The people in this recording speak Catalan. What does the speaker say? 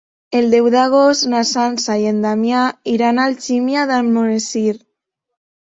El deu d'agost na Sança i en Damià iran a Algímia d'Almonesir.